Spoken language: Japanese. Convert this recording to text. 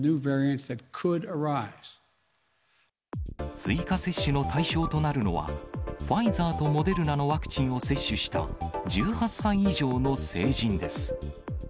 追加接種の対象となるのは、ファイザーとモデルナのワクチンを接種した１８歳以上の成人です。